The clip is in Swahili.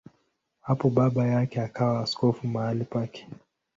Hapo baba yake akawa askofu mahali pake.